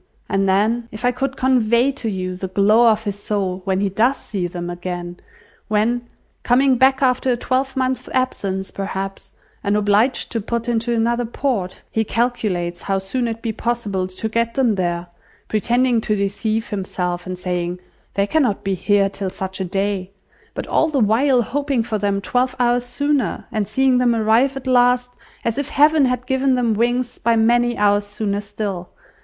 And then, if I could convey to you the glow of his soul when he does see them again; when, coming back after a twelvemonth's absence, perhaps, and obliged to put into another port, he calculates how soon it be possible to get them there, pretending to deceive himself, and saying, 'They cannot be here till such a day,' but all the while hoping for them twelve hours sooner, and seeing them arrive at last, as if Heaven had given them wings, by many hours sooner still!